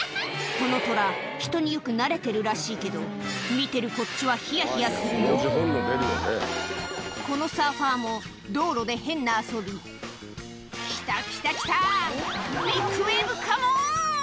このトラ人によくなれてるらしいけど見てるこっちはヒヤヒヤするよこのサーファーも道路で変な遊び「来た来た来たビッグウエーブカモン！」